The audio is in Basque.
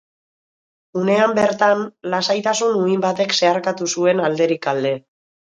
Unean bertan, lasaitasun-uhin batek zeharkatu zuen alderik alde.